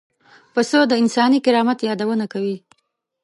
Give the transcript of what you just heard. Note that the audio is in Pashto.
پسه د انساني کرامت یادونه کوي.